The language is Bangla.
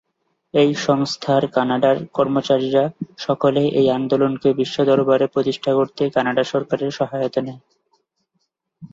এই সংস্থার কানাডার কর্মচারীরা সকলে এই আন্দোলনকে বিশ্ব দরবারে প্রতিষ্ঠা করতে কানাডা সরকারের সহায়তা নেয়।